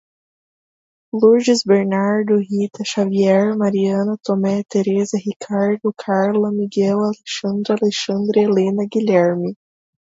Lurdes, Bernardo, Rita, Xavier, Mariana, Tomé, Teresa, Ricardo, Carla, Miguel, Alexandra, Alexandre, Helena, Guilherme.